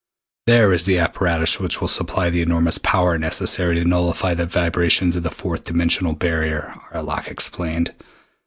"There is the apparatus which will supply the enormous power necessary to nullify the vibrations of the fourth dimensional barrier," Arlok explained.